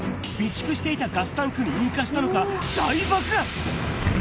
備蓄していたガスタンクに引火したのか、大爆発。